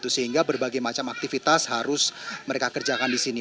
sehingga berbagai macam aktivitas harus mereka kerjakan di sini